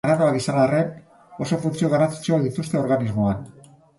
Arraroak izan arren, oso funtzio garrantzitsuak dituzte organismoan.